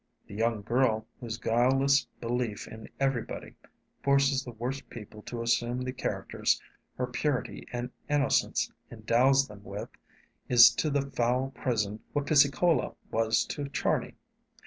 The young girl whose guileless belief in everybody forces the worst people to assume the characters her purity and innocence endows them with, is to the foul prison what Picciola was to Charney.